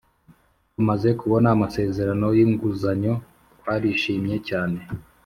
Tumaze kubona amasezerano y inguzanyo twarishimwe cyane